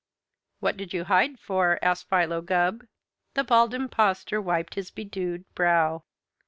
"What did you hide for?" asked Philo Gubb. The Bald Impostor wiped his bedewed brow.